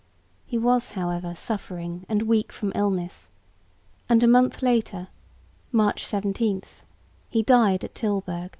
He was, however, suffering and weak from illness, and a month later (March 17) he died at Tilburg.